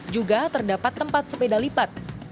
juga terdapat tempat sepeda lipat